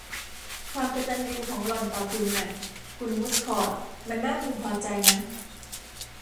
ความกตัญญูของหล่อนต่อคุณน่ะ คุณวู้ดคอร์ต มันน่าพึงพอใจนะ